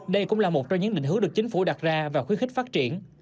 đây cũng là một trong những định hướng được chính phủ đặt ra và khuyến khích phát triển